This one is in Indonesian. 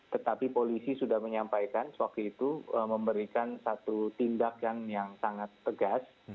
tetapi polisi sudah menyampaikan waktu itu memberikan satu tindakan yang sangat tegas